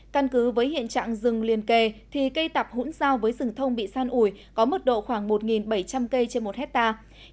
căn cứ với hiện trạng rừng liền kề thì cây tạp hỗn giao với rừng thông bị san ủi có mức độ khoảng một bảy trăm linh cây trên một hectare